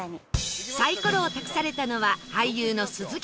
サイコロを託されたのは俳優の鈴木浩介さん